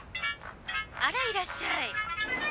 あらいらっしゃい。